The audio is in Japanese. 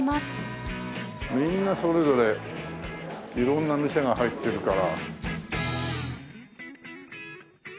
みんなそれぞれ色んな店が入ってるから。